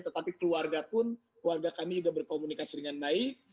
tetapi keluarga pun keluarga kami juga berkomunikasi dengan baik